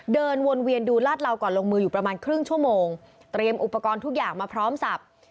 เดินวนเวียนดูลาดเหลาก่อนลงมืออยู่ประมาณครึ่งชั่วโมงเตรียมอุปกรณ์ทุกอย่างมาพร้อมสับ